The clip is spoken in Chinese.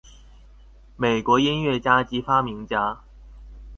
美国音乐家及发明家。